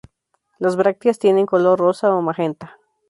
Las brácteas tienen color rosa o magenta.